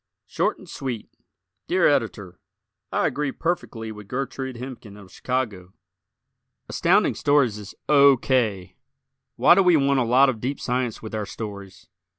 Short and Sweet Dear Editor: I agree perfectly with Gertrude Hemken, of Chicago. Astounding Stories is O. K. Why do we want a lot of deep science with our stories?